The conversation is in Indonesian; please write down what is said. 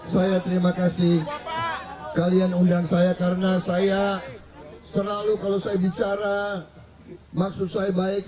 saya terima kasih kalian undang saya karena saya selalu kalau saya bicara maksud saya baik